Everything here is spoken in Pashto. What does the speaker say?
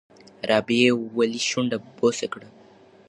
رابعې ولې شونډه بوڅه کړه؟